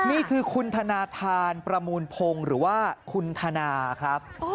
นี่คือคุณธนาธานประมูลพงศ์หรือว่าคุณธนาครับ